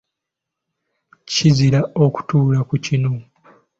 Kizira okutuula ku kinu.